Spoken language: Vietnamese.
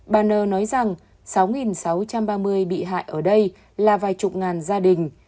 bà ner nói rằng sáu sáu trăm ba mươi bị hại ở đây là vài chục ngàn gia đình